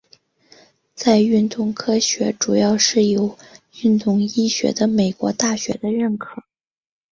在运动科学主要是由运动医学的美国大学的认可。